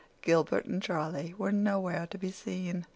Gilbert and Charlie were nowhere to be seen.